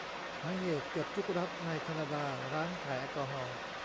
หมายเหตุ : เกือบทุกรัฐในแคนาดา ร้านขายแอลกอฮอล์